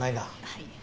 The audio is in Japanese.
はい。